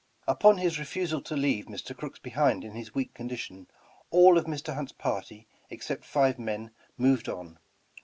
Upon his refusal to leave Mr. Crooks behind in his weak condition, all of Mr. Hunt's party, except five men, moved on.